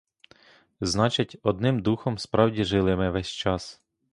Значить, одним духом справді жили ми ввесь час.